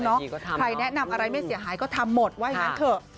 ใครแนะนำอะไรไม่เสียหายก็ทำหมดว่าอย่างนั้นเถอะ